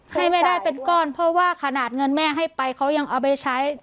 ให้แม่ได้เป็นก้อนเพราะว่าขนาดเงินแม่ให้ไปเขายังเอาไปใช้